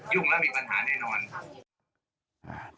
ยุ่งแล้วมีปัญหาแน่นอนครับ